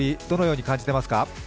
どのように感じていますか？